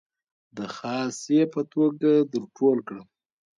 د خاصې په توګه در ټول کړه.